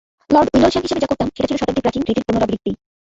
Lord Windlesham হিসেবে যা করতাম সেটা ছিল শতাব্দী প্রাচীন রীতির পুনরাবৃত্তি।